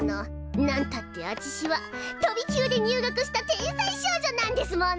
なんたってあちしは飛び級で入学した天才少女なんですもの！